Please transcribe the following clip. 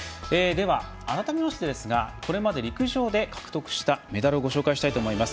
改めてこれまで陸上で獲得したメダルをご紹介したいと思います。